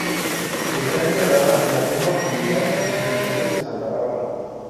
Está enterrada en la tumba familiar del cementerio de Santa Bárbara.